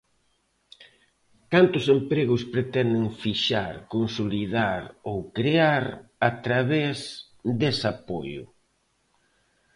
¿Cantos empregos pretenden fixar, consolidar ou crear a través dese apoio?